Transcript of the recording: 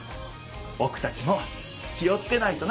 ぼくたちも気をつけないとな！